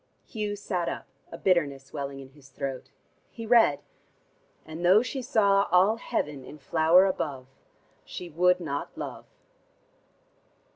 Hugh sat up, a bitterness welling in his throat. He read: "And though she saw all heaven in flower above, She would not love."